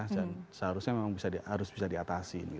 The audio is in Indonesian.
dan seharusnya memang harus bisa diatasin